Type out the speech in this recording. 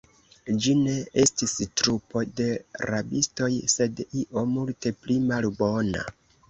Ĝi ne estis trupo de rabistoj, sed io multe pli malbona.